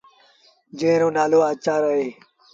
جݩهݩ رو نآلو آچآر اهي۔